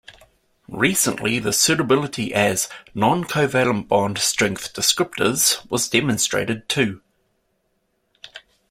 Recently, the suitability as non-covalent bond strength descriptors was demonstrated too.